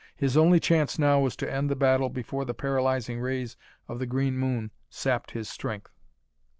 His only chance now, was to end the battle before the paralyzing rays of the green moon sapped his strength.